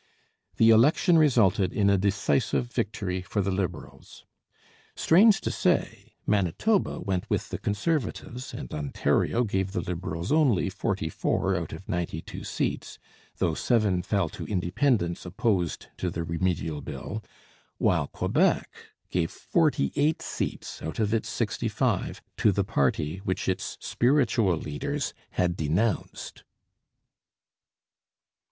The election resulted in a decisive victory for the Liberals. Strange to say, Manitoba went with the Conservatives and Ontario gave the Liberals only forty four out of ninety two seats, though seven fell to independents opposed to the Remedial Bill, while Quebec gave forty eight seats out of its sixty five to the party which its spiritual leaders had denounced.